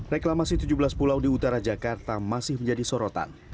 reklamasi tujuh belas pulau di utara jakarta masih menjadi sorotan